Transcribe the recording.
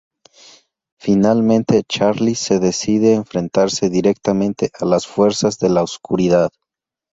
Finalmente, Charlie se decide a enfrentase directamente a las fuerzas de la oscuridad.